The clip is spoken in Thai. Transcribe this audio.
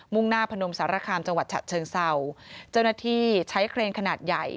่งหน้าพนมสารคามจังหวัดฉะเชิงเศร้าเจ้าหน้าที่ใช้เครนขนาดใหญ่